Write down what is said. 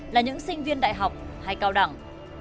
là những sinh viên đại học hay cao đẳng